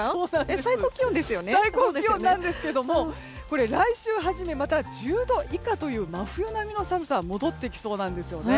最高気温なんですがこれ、来週初めまた１０度以下という真冬並みの寒さが戻ってきそうなんです。